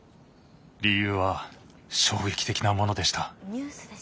理由は衝撃的なものでした。